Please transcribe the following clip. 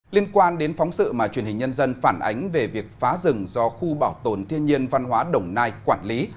liên quan đến phóng sự mà truyền hình nhân dân phản ánh về việc phá rừng do khu bảo tồn thiên nhiên văn hóa đồng nai quản lý